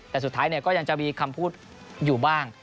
แต่สุดท้ายก็ยังจะมีคำพูดอยู่บ้าง